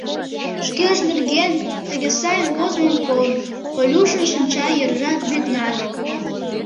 Шкеж нерген тыге сайын возымым колын, Колюшын шинча йыржат вӱд нале.